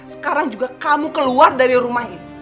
sekarang juga kamu keluar dari rumah ini